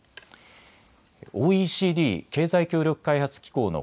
ＯＥＣＤ・経済協力開発機構の